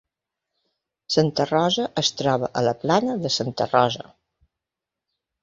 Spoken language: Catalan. Santa Rosa es troba a la plana de Santa Rosa.